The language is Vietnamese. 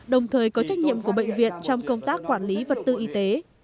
đồng thời có trách nhiệm của bệnh viện trong công tác quản lý vật tư y tế